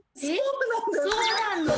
そうなの？